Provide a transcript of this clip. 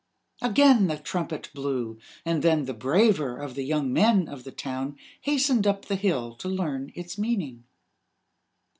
Again the trumpet blew, and then the braver of the young men of the town hastened up the hill to learn its meaning.